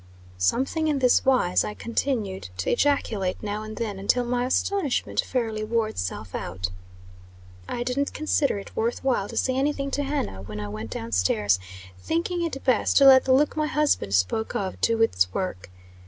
Something in this wise I continued to ejaculate, now and then, until my astonishment fairly wore itself out. I didn't consider it worth while to say any thing to Hannah when I went down stairs, thinking it best to let the look my husband spoke of, do its work.